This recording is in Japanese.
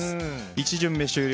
１巡目終了。